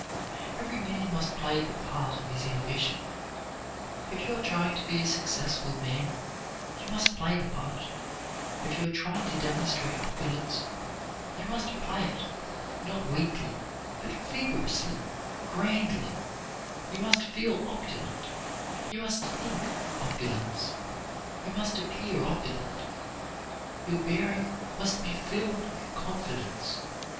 Every man must play the part of his ambition. If you are trying to be a successful man you must play the part. If you are trying to demonstrate opulence, you must play it, not weakly, but vigorously, grandly. You must feel opulent, you must think opulence, you must appear opulent. Your bearing must be filled with confidence.